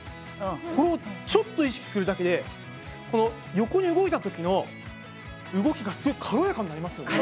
これをちょっと意識するだけで横に動いたときの動きがすごい軽やかになりますよね。